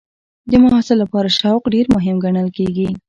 د محصل لپاره شوق ډېر مهم ګڼل کېږي.